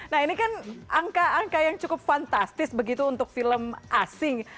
nah ini kan angka angka yang cukup fantastis begitu untuk film asing